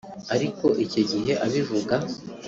Ariko icyo gihe abivuga